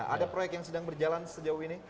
ada proyek yang sedang berjalan sejauh ini